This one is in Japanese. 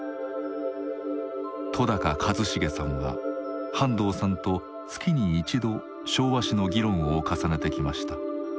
戸一成さんは半藤さんと月に１度昭和史の議論を重ねてきました。